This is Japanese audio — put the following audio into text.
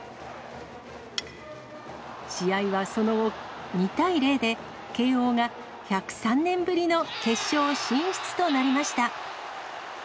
試合はその後、２対０で慶応が１０３年ぶりの決勝進出となりました。